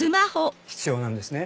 必要なんですね。